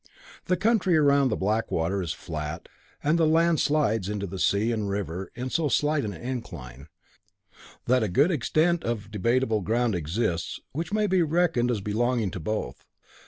The country around the Blackwater is flat, and the land slides into the sea and river with so slight an incline, that a good extent of debatable ground exists, which may be reckoned as belonging to both.